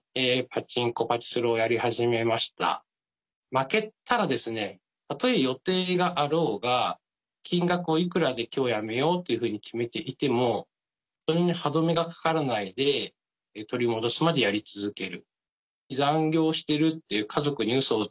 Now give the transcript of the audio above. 負けたらですねたとえ予定があろうが金額をいくらで今日やめようっていうふうに決めていてもそれに歯止めがかからないで取り戻すまでやり続ける。